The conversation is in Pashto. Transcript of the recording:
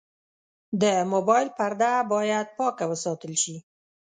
د موبایل پرده باید پاکه وساتل شي.